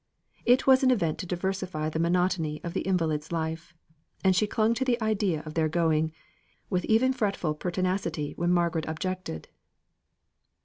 It was an event to diversify the monotony of the invalid's life; and she clung to the idea of their going, with even fretful pertinacity, when Margaret objected.